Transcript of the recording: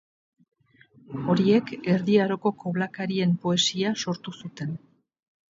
Horiek Erdi Aroko koblakarien poesia sortu zuten.